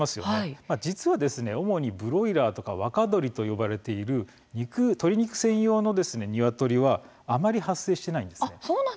実は主にブロイラーとか若鶏と呼ばれている肉鶏肉専用のニワトリはあまり発生していないんです。